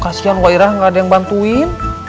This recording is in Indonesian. kasian wairah gak ada yang bantuin